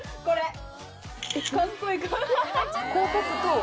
これ！